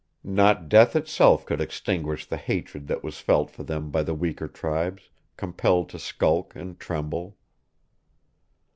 Not death itself could extinguish the hatred that was felt for them by the weaker tribes, compelled to skulk and tremble.